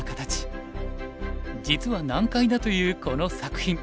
実は難解だというこの作品。